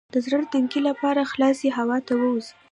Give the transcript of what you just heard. د زړه د تنګي لپاره خلاصې هوا ته ووځئ